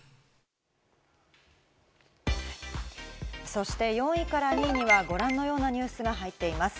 そして４位から２位にはご覧のようなニュースが入っています。